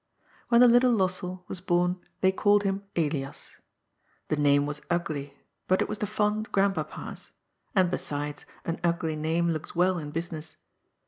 When the little Lossell was bom they called him Elias. The name was ugly, but it was the fond grandpapa's ; and, besides, an ugly name looks well in business.